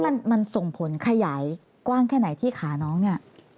มันส่งผลขยายกว้างแค่ไหนที่ขาน้องเนี่ย